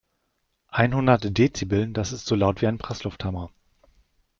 Einhundert Dezibel, das ist so laut wie ein Presslufthammer.